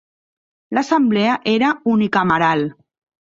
L'Assemblea era unicameral.